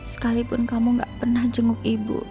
sekalipun kamu gak pernah jenguk ibu